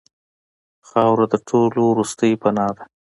خاوره د ټولو وروستۍ پناه ده.